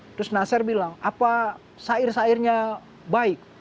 terus nasser bilang apa sair sairnya baik